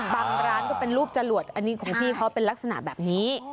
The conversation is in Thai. ร้านก็เป็นรูปจรวดอันนี้ของพี่เขาเป็นลักษณะแบบนี้